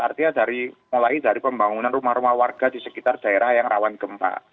artinya mulai dari pembangunan rumah rumah warga di sekitar daerah yang rawan gempa